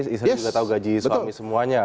bisa juga tahu gaji suami semuanya